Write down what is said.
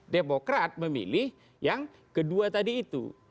demokrat memilih yang kedua tadi itu